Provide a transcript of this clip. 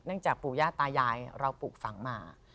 เนื่องจากปูย่าตายายเราปูฝังมา